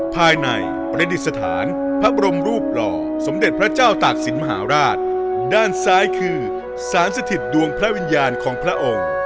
ภายในประดิษฐานพระบรมรูปหล่อสมเด็จพระเจ้าตากศิลปมหาราชด้านซ้ายคือสารสถิตดวงพระวิญญาณของพระองค์